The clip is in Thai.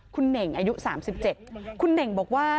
คุณเน่งอายุ๓๗คุณเน่งบอกว่า